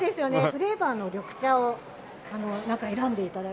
フレーバーの緑茶を選んで頂いて。